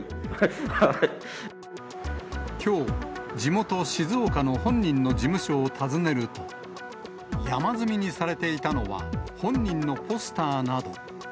きょう、地元、静岡の本人の事務所を訪ねると、山積みにされていたのは、本人のポスターなど。